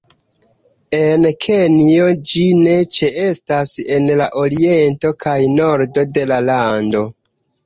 En Kenjo ĝi ne ĉeestas en la oriento kaj nordo de la lando.